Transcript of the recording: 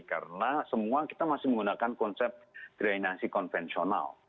karena semua kita masih menggunakan konsep drainasi konvensional